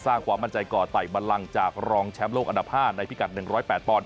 ความมั่นใจก่อไต่บันลังจากรองแชมป์โลกอันดับ๕ในพิกัด๑๐๘ปอนด